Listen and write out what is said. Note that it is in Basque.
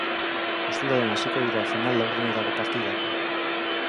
Ostiralean hasiko dira final-laurdenetako partidak.